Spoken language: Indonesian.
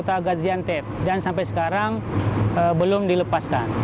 dia sudah berada di kota gaziantep dan sampai sekarang belum dilepaskan